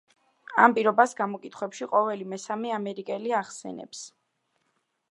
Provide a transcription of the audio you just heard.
ამ პირობას გამოკითხვებში ყოველი მესამე ამერიკელი ახსენებს.